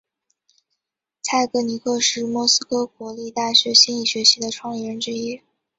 蔡格尼克是莫斯科国立大学心理学系的创立人之一。